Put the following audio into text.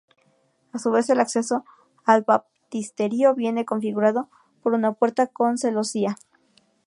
A su vez el acceso al baptisterio viene configurado por una puerta con celosía.